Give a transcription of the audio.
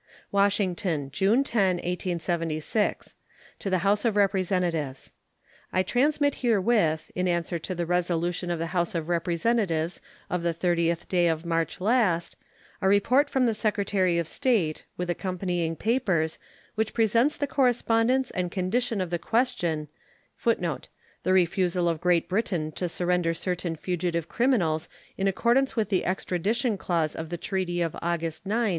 WASHINGTON, June 10, 1876. To the House of Representatives: I transmit herewith, in answer to the resolution of the House of Representatives of the 30th day of March last, a report from the Secretary of State, with accompanying papers, which presents the correspondence and condition of the question up to the day of its date. U.S. GRANT. [Footnote 107: The refusal of Great Britain to surrender certain fugitive criminals in accordance with the extradition clause of the treaty of August 9, 1842.